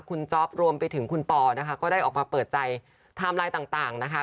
คุณจ๊อปรวมไปถึงคุณปอนะคะก็ได้ออกมาเปิดใจไทม์ไลน์ต่างนะคะ